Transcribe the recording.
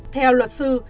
theo luật sư